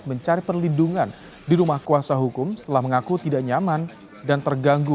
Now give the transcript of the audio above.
mencari perlindungan di rumah kuasa hukum setelah mengaku tidak nyaman dan terganggu